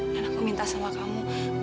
dan aku minta sama kamu